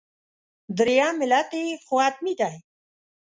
درېیم علت یې خو حتمي دی.